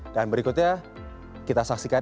dan berikutnya kita saksikan